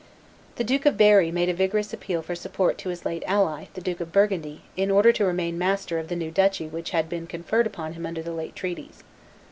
The Duke of Berry made a vigorous appeal for support to his late ally, the Duke of Burgundy, in order to remain master of the new duchy which had been conferred upon him under the late treaties.